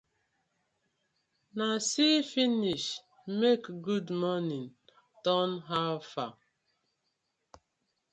Na see finish make “good morning” turn “how far”: